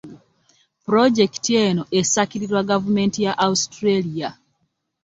Pulojekiti eno esakirirwa gavumenti ya Australia.